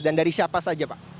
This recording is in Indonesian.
dan dari siapa saja pak